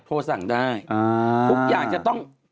โทรสั่งได้ทุกอย่างจะต้อง